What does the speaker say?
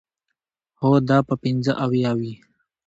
هو، دا به پنځه اویا وي.